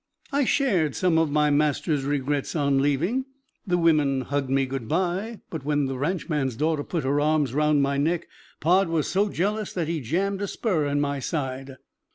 I shared some of my master's regrets on leaving. The women hugged me good bye, but when the ranchman's daughter put her arms round my neck, Pod was so jealous that he jammed a spur in my side.